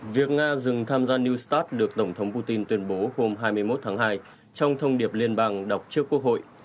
việc nga dừng tham gia new start được tổng thống putin tuyên bố hôm hai mươi một tháng hai trong thông điệp liên bang đọc trước quốc hội